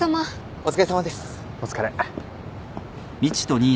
お疲れ。